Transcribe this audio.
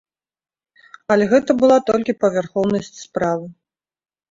Але гэта была толькі павярхоўнасць справы.